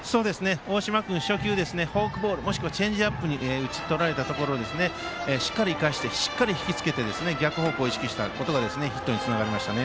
大島君初球のフォークボールあるいはチェンジアップに打ち取られたところをしっかり生かしてしっかりひきつけて逆方向を意識したことがヒットにつながりましたね。